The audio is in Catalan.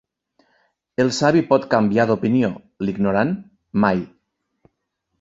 El savi pot canviar d'opinió; l'ignorant, mai.